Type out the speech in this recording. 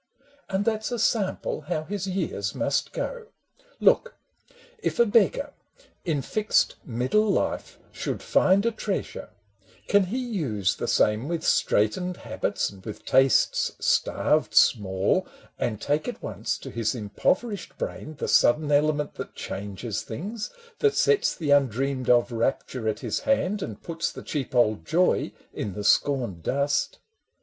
And that 's a sample how his years must go. Look, if a beggar, in fixed middle life, Should find a treasure, — can he use the same With straitened habits and with tastes starved small, And take at once to his impoverished brain The sudden element that changes things, That sets the undreamed of rapture at his hand And puts the cheap old joy in the scorned dust?